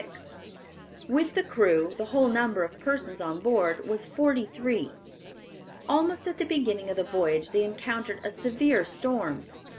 With the crew, the whole number of persons on board was forty three. Almost at the beginning of the voyage they encountered a severe storm.